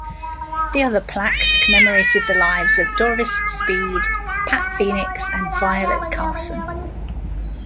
The other plaques commemorated the lives of Doris Speed, Pat Phoenix and Violet Carson.